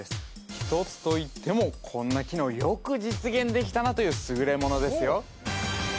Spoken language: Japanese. １つといってもこんな機能よく実現できたなという優れものですよ